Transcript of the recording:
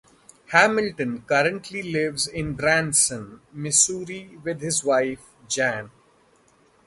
Hamilton currently lives in Branson, Missouri with his wife, Jan.